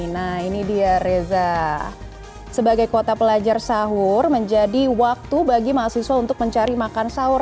nah ini dia reza sebagai kuota pelajar sahur menjadi waktu bagi mahasiswa untuk mencari makan sahur